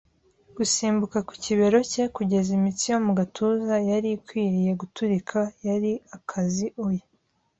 gusimbuka ku kibero cye kugeza imitsi yo mu gatuza yari ikwiriye guturika, yari akazi oya